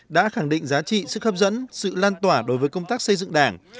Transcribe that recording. đã khẳng định giá trị sức hấp dẫn sự lan tỏa đối với công tác xây dựng đảng